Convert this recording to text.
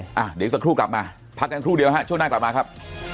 เดี๋ยวสักครู่กลับมาพักกันครู่เดียวฮะช่วงหน้ากลับมาครับ